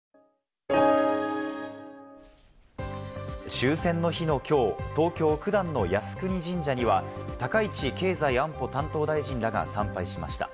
終戦の日のきょう、東京・九段の靖国神社には、高市経済安保担当大臣らが参拝しました。